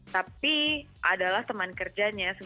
tapi adalah teman kerjanya